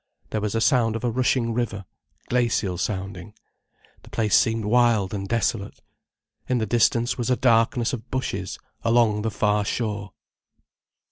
There was a sound of a rushing river, glacial sounding. The place seemed wild and desolate. In the distance was a darkness of bushes, along the far shore.